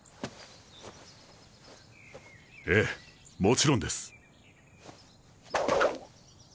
ええもちろんです。